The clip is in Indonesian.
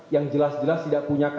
yang jelas jelas tidak punya